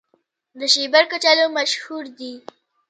د شیبر کچالو مشهور دي